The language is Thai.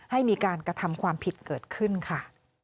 ให้มีการกระทำความผิดเกิดขึ้นค่ะ